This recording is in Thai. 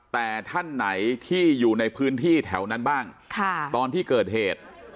แต่ท่านไหนที่อยู่ในพื้นที่แถวนั้นบ้างตอนที่เกิดเหตุ